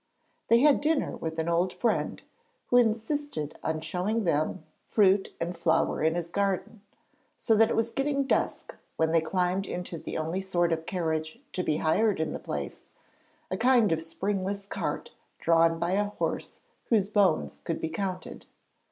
They had dinner with an old friend, who insisted on showing them every fruit and flower in his garden, so that it was getting dusk when they climbed into the only sort of carriage to be hired in the place, a kind of springless cart drawn by a horse whose bones could be counted.